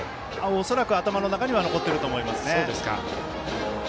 恐らく頭の中には残っていると思いますね。